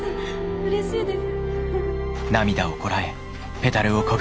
うれしいです。